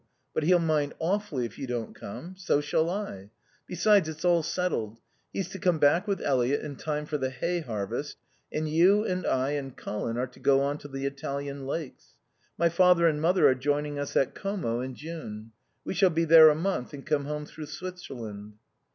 But he'll mind awfully if you don't come. So shall I. Besides, it's all settled. He's to come back with Eliot in time for the hay harvest, and you and I and Colin are to go on to the Italian Lakes. My father and mother are joining us at Como in June. We shall be there a month and come home through Switzerland."